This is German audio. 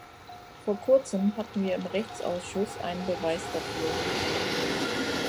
Vor kurzem hatten wir im Rechtsausschuss einen Beweis dafür.